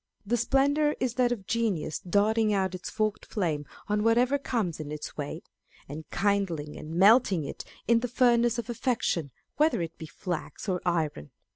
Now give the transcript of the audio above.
The splendour is that of genius darting out its forked flame on whatever comes in its way, and kindling and melting it in the furnace of affection, whether it be flax or iron.